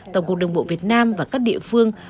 tổng cục đường bộ việt nam và các địa phương